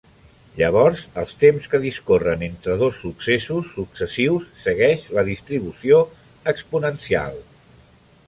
Llavors, els temps que discorren entre dos successos successius segueix la distribució exponencial.